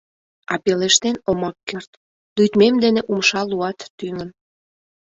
А пелештен омак керт; лӱдмем дене умша луат тӱҥын.